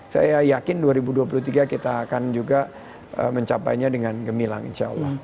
saya yakin dua ribu dua puluh tiga kita akan juga mencapainya dengan gemilang insya allah